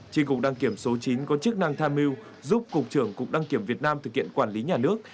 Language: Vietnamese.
tri cục đăng kiểm số chín có chức năng tham mưu giúp cục trưởng cục đăng kiểm việt nam thực hiện quản lý nhà nước